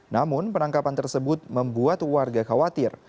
namun penangkapan tersebut membuat warga khawatir